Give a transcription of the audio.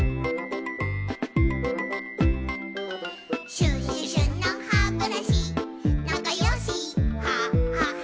「シュシュシュのハブラシなかよしハハハ」